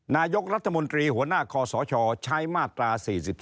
นายกรัฐมนตรีหัวหน้าคอสชใช้มาตรา๔๔